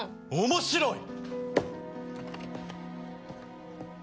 面白い！